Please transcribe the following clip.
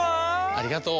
ありがとう。